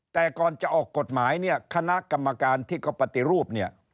แต่ก่อนจะออกกฎหมายเนี่ยคณะกรรมการที่เขาปฏิรูปเนี่ย